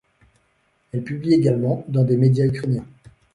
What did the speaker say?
Elle publie également dans des médias ukrainiens.